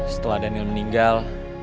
setelah daniel meninggal